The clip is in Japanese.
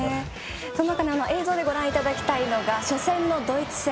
そして映像でご覧いただきたいのが初戦のドイツ戦。